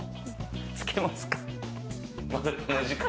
つけますか？